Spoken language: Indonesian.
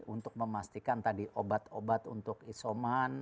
untuk memastikan tadi obat obat untuk isoman